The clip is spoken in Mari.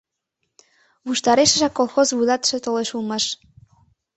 Ваштарешыжак колхоз вуйлатыше толеш улмаш.